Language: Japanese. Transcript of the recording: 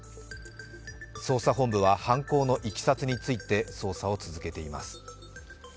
捜査本部は犯行のいきさつについて捜査を続けています。